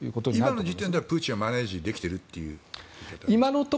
今の時点ではプーチンはマネジできているということ？